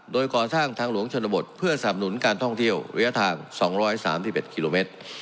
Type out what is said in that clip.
โดยก่อสร้างทางหลวงชนบทเพื่อสนับหนุนการท่องเที่ยวระยะทาง๒๓๑กิโลเมตร